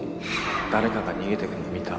誰かが逃げてくのを見た